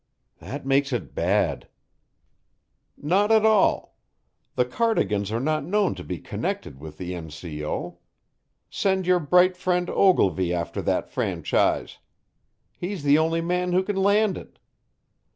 "That makes it bad." "Not at all. The Cardigans are not known to be connected with the N. C. O. Send your bright friend Ogilvy after that franchise. He's the only man who can land it.